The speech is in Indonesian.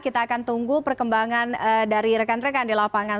kita akan tunggu perkembangan dari rekan rekan di lapangan